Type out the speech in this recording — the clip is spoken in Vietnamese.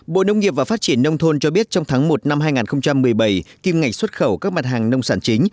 bộ nông nghiệp và phát triển nông thôn cho biết trong tháng một năm hai nghìn một mươi bảy kim ngạch xuất khẩu các mặt hàng nông sản chính